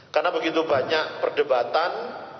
karena begitu banyak perdebatan